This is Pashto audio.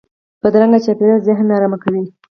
بدرنګه چاپېریال ذهن نارامه کوي